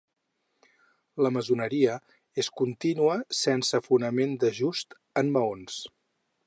La maçoneria és contínua sense fonament d'ajust en maons.